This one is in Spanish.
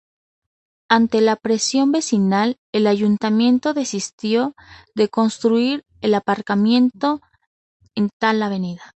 Ante la presión vecinal, el ayuntamiento desistió de construir el aparcamiento en tal avenida.